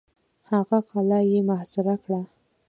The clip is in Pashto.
هغه قلا یې محاصره کړه.